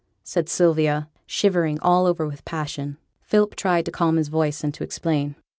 said Sylvia, shivering all over with passion. Philip tried to keep calm, and to explain.